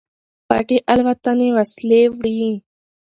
پټې الوتنې وسلې وړي.